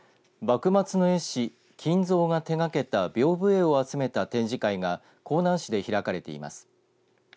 幕末の絵師、金蔵が手がけたびょうぶ絵を集めた展示会が香南市で開かれています。